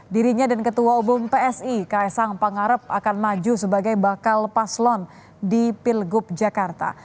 dirinya dan ketua umum psi ks sang pangarep akan maju sebagai bakal paslon di pilgub jakarta